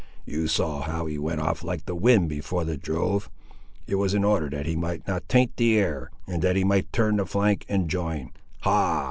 "You saw how he went off like the wind before the drove. It was in order that he might not taint the air, and that he might turn the flank, and join—Ha!